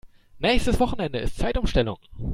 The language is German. Nächstes Wochenende ist Zeitumstellung.